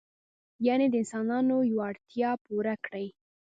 یعنې د انسانانو یوه اړتیا پوره کړي.